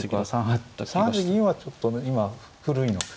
３八銀はちょっと今古いの？